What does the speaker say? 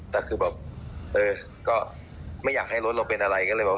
แต่คือแบบเออก็ไม่อยากให้รถเราเป็นอะไรก็เลยบอก